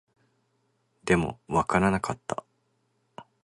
でも、わからなかった